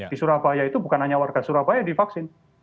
di surabaya itu bukan hanya warga surabaya yang divaksin